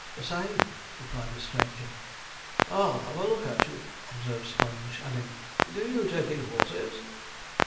'The same,' replied the stranger. 'I'll have a look at you,' observed Sponge, adding, 'do you take in horses?'